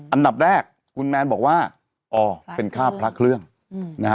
อันดับแรกคุณแมนบอกว่าอ๋อเป็นค่าพระเครื่องนะฮะ